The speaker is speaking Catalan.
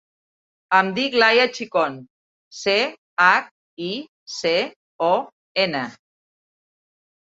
Em dic Laia Chicon: ce, hac, i, ce, o, ena.